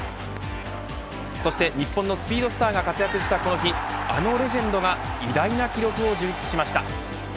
そして日本のスピードスターが活躍したこの日あのレジェンドが偉大な記録を樹立しました。